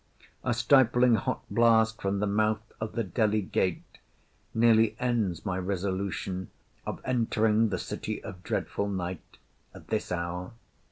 A stifling hot blast from the mouth of the Delhi Gate nearly ends my resolution of entering the City of Dreadful Night at this hour.